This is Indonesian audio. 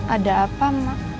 ada apa mak